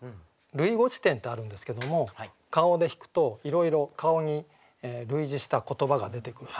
「類語辞典」ってあるんですけども「顔」で引くといろいろ「顔」に類似した言葉が出てくる。